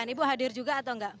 ini bu hadir juga atau enggak